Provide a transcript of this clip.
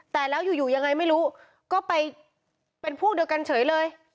แต่แล้วอยู่ยังไงไม่รู้ก็ไปเป็นพวกเดียวกันเฉยเลย